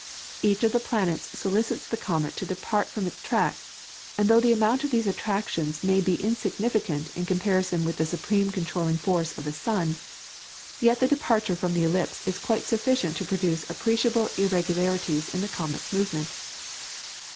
Each of the planets solicits the comet to depart from its track, and though the amount of these attractions may be insignificant in comparison with the supreme controlling force of the sun, yet the departure from the ellipse is quite sufficient to produce appreciable irregularities in the comet's movement.